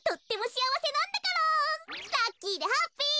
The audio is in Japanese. ラッキーでハッピー！